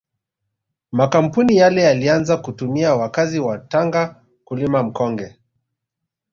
Makampuni yale yalianza kutumia wakazi wa Tanga kulima mkonge